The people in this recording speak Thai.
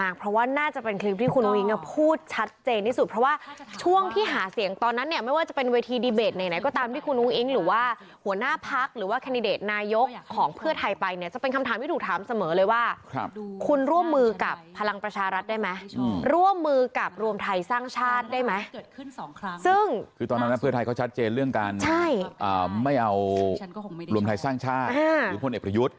คือตอนนั้นเพื่อไทยเขาชัดเจนเรื่องการไม่เอารวมไทยสร้างชาติหรือพ่นเอกประยุทธ์